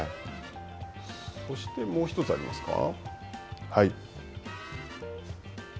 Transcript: そしてもう一つありますか。